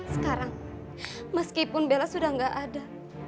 sekarang meskipun bella sudah nggak ada